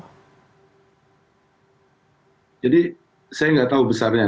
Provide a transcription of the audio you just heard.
jadi saya nggak tahu besarnya